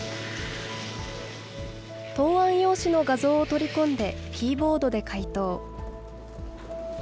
答案用紙の画像を取り込んで、キーボードで解答。